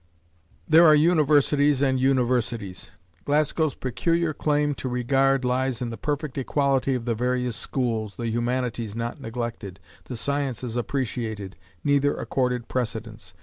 There are universities and universities. Glasgow's peculiar claim to regard lies in the perfect equality of the various schools, the humanities not neglected, the sciences appreciated, neither accorded precedence.